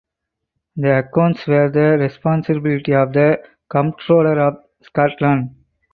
The accounts were the responsibility of the Comptroller of Scotland.